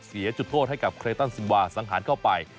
เสียจุดโทษให้กับเคเลตอลสิมวาสังหารเข้าไป